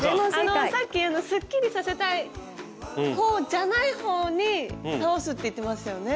さっきすっきりさせたい方じゃない方に倒すって言ってましたよね。